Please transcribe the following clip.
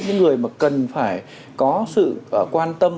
những người mà cần phải có sự quan tâm